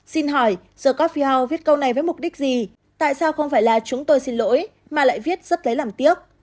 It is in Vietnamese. xin hỏi the coffield viết câu này với mục đích gì tại sao không phải là chúng tôi xin lỗi mà lại viết rất lấy làm tiếc